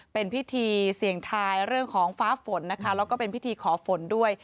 เป็นพิธีเสี่ยงทายเรื่องของฟ้าฝนนะคะแล้วก็เป็นพิธีขอฝนด้วย